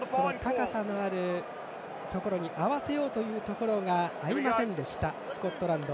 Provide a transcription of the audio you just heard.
高さのあるところに合わせようというところが合いませんでしたスコットランド。